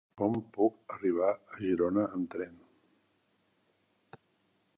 Com puc arribar a Girona amb tren?